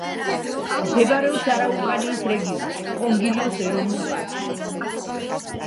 მდებარეობს არაუკანიის რეგიონში, კონგილიოს ეროვნულ პარკში.